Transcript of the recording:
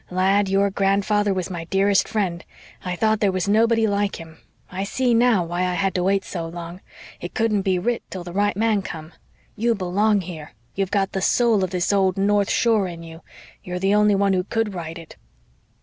"Lad, your grandfather was my dearest friend. I thought there was nobody like him. I see now why I had to wait so long. It couldn't be writ till the right man come. You BELONG here you've got the soul of this old north shore in you you're the only one who COULD write it."